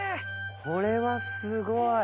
これはすごい！